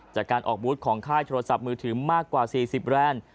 จากการออกบูธของค่ายโทรศัพท์มือถือมากกว่า๔๐แรนด์